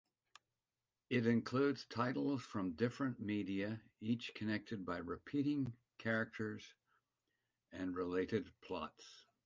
It includes titles from different media, each connected by repeating characters and related plots.